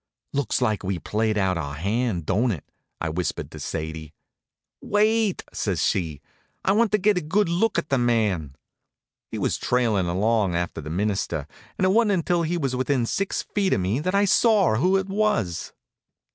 "Looks like we'd played out our hand, don't it?" I whispered to Sadie. "Wait!" says she. "I want to get a good look at the man." He was trailin' along after the minister, and it wa'n't until he was within six feet of me that I saw who it was.